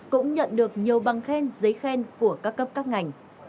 cũng nhận được nhiều băng khen giấy khen của các cấp các ngành